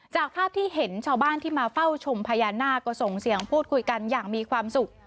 จากภาพที่เห็นชาวบ้านที่มาเฝ้าชมพญานาคก็ส่งเสียงพูดคุยกันอย่างมีความสุข